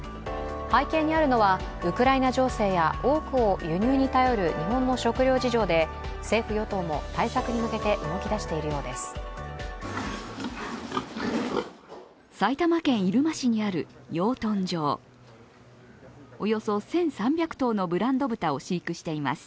背景にあるのはウクライナ情勢や多くを輸入に頼る日本の食料事情で政府・与党も対策に向けて動きだしています。